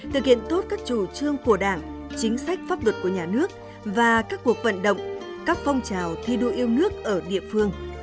thực hiện tốt các chủ trương của đảng chính sách pháp luật của nhà nước và các cuộc vận động các phong trào thi đua yêu nước ở địa phương